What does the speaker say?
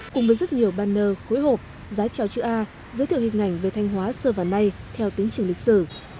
cùng với rất nhiều banner khối hộp giá trào chữ a giới thiệu hình ảnh về thanh hóa xưa và nay theo tính trình lịch sử